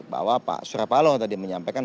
bahwa pak surya palom tadi menyampaikan